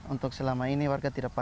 untuk selama ini warga tidak paham